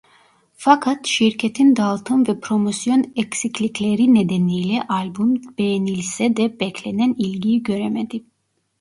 Fakat şirketin dağıtım ve promosyon eksiklikleri nedeniyle albüm beğenilse de beklenen ilgiyi göremedi.